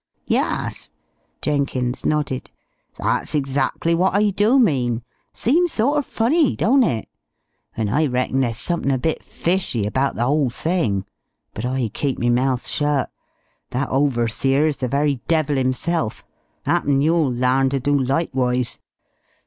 "Yus." Jenkins nodded. "That's exactly what I do mean. Seems sort er funny, don't it? And I reckon there's somethin' a bit fishy about the whole thing. But I keep me mouth shut. That overseer's the very devil 'imself. Happen you'll larn ter do likewise.